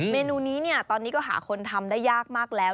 เมนูนี้ตอนนี้ก็หาคนทำได้ยากมากแล้ว